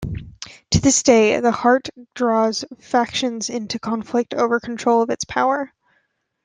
To this day, the Heart draws factions into conflict over control of its power.